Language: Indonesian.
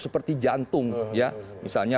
seperti jantung misalnya